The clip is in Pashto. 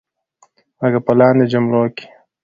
لکه په لاندې جملو کې.